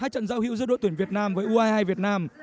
hai trận giao hữu giữa đội tuyển việt nam với u hai mươi hai việt nam